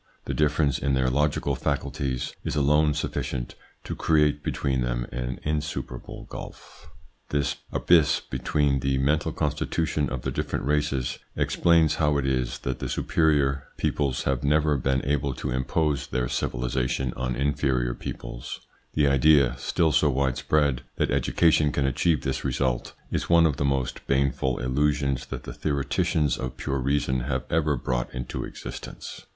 The difference in their logical faculties is alone sufficient to create between them an insuperable gulf. This abyss between the mental constitution of the different races explains how it is that the superior ITS INFLUENCE ON THEIR EVOLUTION 37 peoples have never been able to impose their civilisa tion on inferior peoples. The idea, still so wide spread, that education can achieve this result, is one of the most baneful illusions that the theoreticians of pure reason have ever brought into existence.